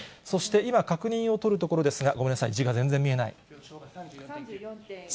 そして今、確認を取るところですが、ごめんなさい、字が全然見えない。